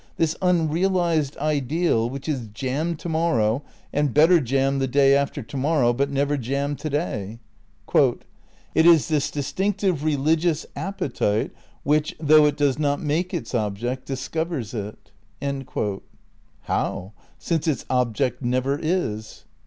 This un realised ideal which is jam tomorrow, and better jam the day after tomorrow, but never jam today? ... "it is this distinctive religious appetite ... ■which, though it does not make its object discovers it." ' How, since its object never is?